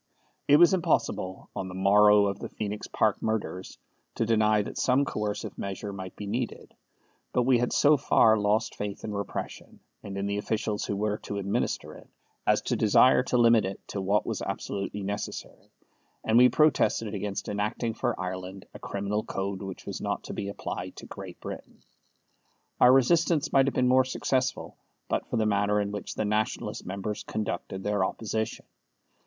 It was impossible, on the morrow of the Phoenix Park murders, to deny that some coercive measure might be needed; but we had so far lost faith in repression, and in the officials who were to administer it, as to desire to limit it to what was absolutely necessary, and we protested against enacting for Ireland a criminal code which was not to be applied to Great Britain. Our resistance might have been more successful but for the manner in which the Nationalist members conducted their opposition.